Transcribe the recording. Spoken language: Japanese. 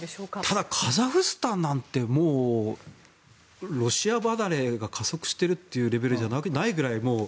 ただ、カザフスタンなんてもう、ロシア離れが加速しているというレベルじゃないくらい。